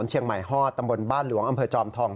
เชียงใหม่ฮอดตำบลบ้านหลวงอำเภอจอมทอง